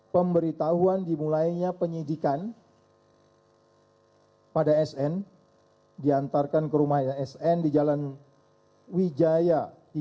pemberitahuan dimulainya penyidikan pada sn diantarkan ke rumah sn di jalan wijaya